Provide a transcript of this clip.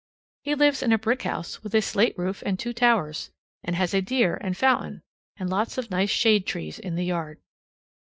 He lives in a brick house with a slate roof and two towers, and has a deer and fountain and lots of nice shade trees in the yard.